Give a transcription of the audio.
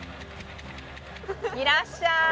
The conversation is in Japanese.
いらっしゃーい！